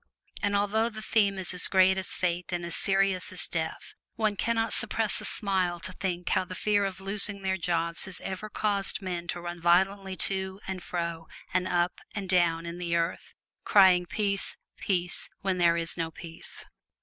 And although the theme is as great as Fate and as serious as Death, one can not suppress a smile to think how the fear of losing their jobs has ever caused men to run violently to and fro and up and down in the earth, crying peace, peace, when there is no peace.